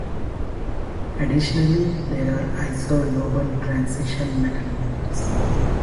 Additionally there are isolobal transition-metal units.